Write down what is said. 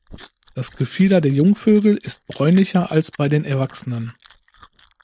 Das Gefieder der Jungvögel ist bräunlicher als bei den Erwachsenen.